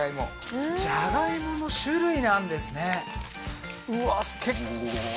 じゃがいもの種類なんですねうわ